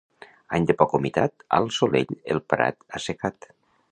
Any de poca humitat, al solell el prat assecat.